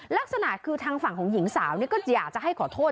ลักษณะคือทางฝั่งของหญิงสาวก็อยากจะให้ขอโทษ